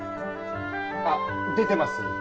あっ出てます。